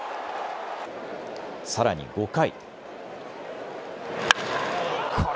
さらに５回。